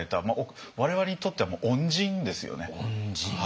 我々にとってはもう恩人ですよね。